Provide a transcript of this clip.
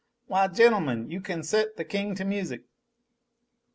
Why, gentlemen, you can set the king to music!"